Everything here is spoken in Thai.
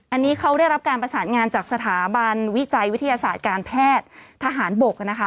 อันนี้เขาได้รับการประสานงานจากสถาบันวิจัยวิทยาศาสตร์การแพทย์ทหารบกนะคะ